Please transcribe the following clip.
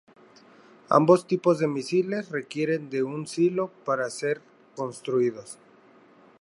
Ambos tipos de misiles requieren de un silo para ser construidos.